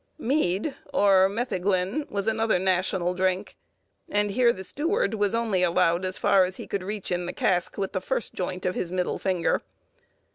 Mead, or metheglin, was another national drink, and here the steward was only allowed as far as he could reach in the cask with the first joint of his middle finger.